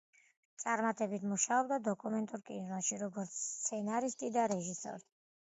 წარმატებით მუშაობდა დოკუმენტურ კინოში, როგორც სცენარისტი და რეჟისორი.